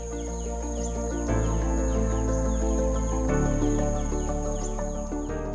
yang disebut tope lek leng